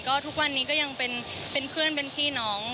ก็ทุกวันนี้ก็ยังเป็นเพื่อนเป็นพี่น้อง